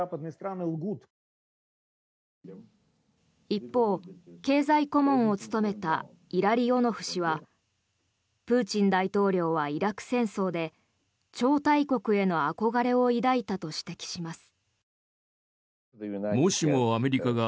一方、経済顧問を務めたイラリオノフ氏はプーチン大統領はイラク戦争で超大国への憧れを抱いたと指摘します。